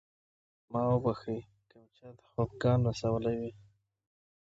ما وبښئ که مې چاته خفګان رسولی وي.